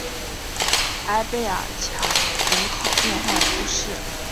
埃贝尔桥人口变化图示